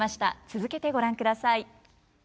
続けてご覧ください。